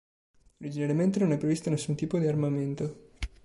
Originariamente non è previsto nessun tipo di armamento.